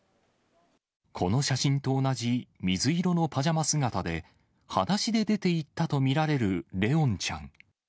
この写真と同じ水色のパジャマ姿で、はだしで出ていったと見られる怜音ちゃん。